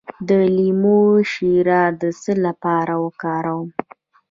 د لیمو شیره د څه لپاره وکاروم؟